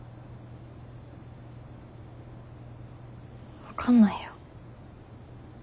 分かんないよ。